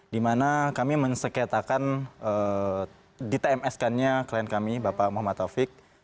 dimana kami mensekitakan ditemeskannya klien kami bapak muhammad taufik